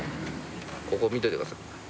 ここ見といてください。